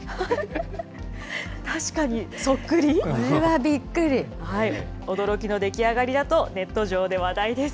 確かに、そっくり？驚きの出来上がりだと、ネット上で話題です。